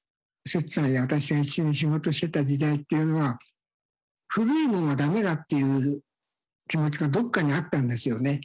摂さんや私が一緒に仕事してた時代っていうのは古いものはダメだっていう気持ちがどっかにあったんですよね。